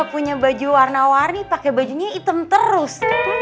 gue punya baju warna warni pake bajunya item terus